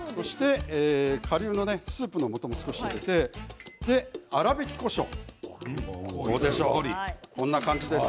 かりゅうスープのもとも少し入れて粗びきこしょうこんな感じです。